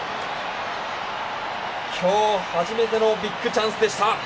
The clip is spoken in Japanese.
今日、初めてのビッグチャンスでした。